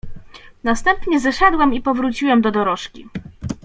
"Następnie zeszedłem i powróciłem do dorożki."